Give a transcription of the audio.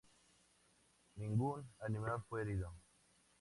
Ningún animal fue herido.